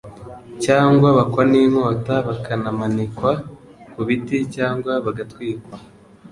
cyangwa bakkwa n'inkota bakanamanikwa ku biti cyangwa bagatwikwa,